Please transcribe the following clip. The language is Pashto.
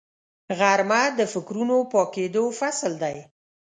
غرمه د فکرونو پاکېدو فصل دی